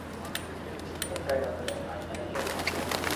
ตั้งใจนำแสดงผ่านคาแรกเตอร์ของ